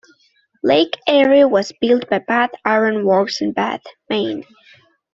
"Lake Erie" was built by Bath Iron Works in Bath, Maine.